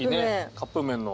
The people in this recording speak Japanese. カップ麺の。